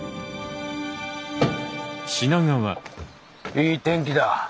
いい天気だ。